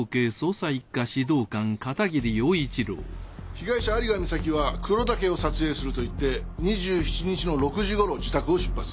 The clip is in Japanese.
被害者有賀美咲は黒岳を撮影すると言って２７日の６時頃自宅を出発。